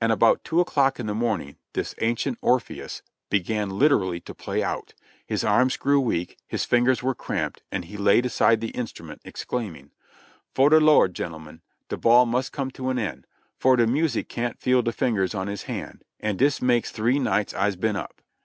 About two o'clock in the morning this ancient Orpheus began literall)^ to play out ; his arms grew weak, his fingers were cramped, and he laid aside the instrument, exclaiming: "Fo' de Lord, gen'lemen, de ball must come to an end, for de music can't feel de fingers on his hand, an' dis makes three nights I's been up."